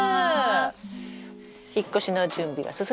引っ越しの準備は進んでますか？